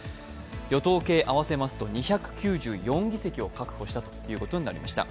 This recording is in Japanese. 与党系合わせますと２９４議席を獲得したことになりました。